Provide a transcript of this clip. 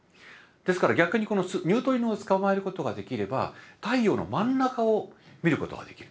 ですから逆にこのニュートリノをつかまえることができれば太陽の真ん中を見ることができる。